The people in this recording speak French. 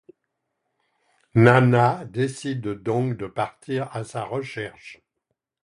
Nana décide donc de partir à sa recherche.